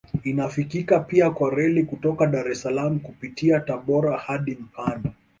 Inafikika pia kwa reli kutoka Dar es Salaam kupitia Tabora hadi mpanda